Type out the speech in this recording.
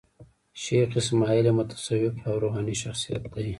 شېخ اسماعیل یو متصوف او روحاني شخصیت دﺉ.